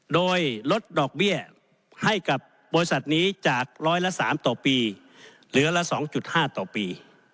โดยลดดอกเบี้ยให้กับบริษัทนี้จากร้อยละ๓ต่อปีเหลือละ๒๕ต่อปี